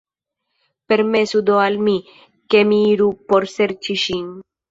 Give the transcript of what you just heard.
Permesu do al mi, ke mi iru por serĉi ŝin.